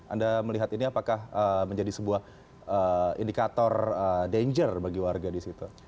anda melihat ini apakah menjadi sebuah indikator danger bagi warga di situ